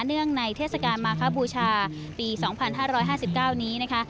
เนื่องในเทศกาลมาคบูชาปี๒๕๕๙นี้นะคะ